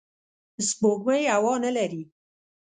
سپوږمۍ هوا نه لري